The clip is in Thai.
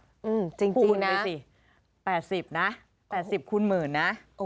คูณนะจริงเลยสิประสิทธิ์นะ๘๐คูณหมื่นนะ